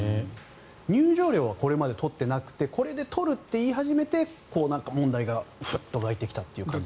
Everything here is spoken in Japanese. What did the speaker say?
入場料はこれまで取ってなくてこれで取るって言い始めて問題がフッと湧いてきたという感じです。